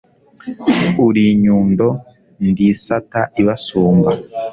uri inyundo ndi isata ibasumba